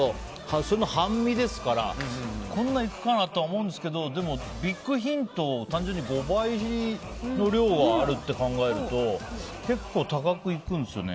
それの半身ですからこんなにいくかなと思うんですけどでもビッグヒントで単純に５倍の量あるって考えると結構高く行くんですよね。